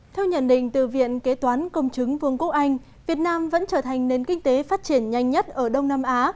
theo nhận định từ viện kế toán công chứng vương quốc anh việt nam vẫn trở thành nền kinh tế phát triển nhanh nhất ở đông nam á